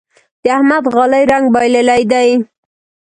د احمد غالۍ رنګ بايللی دی.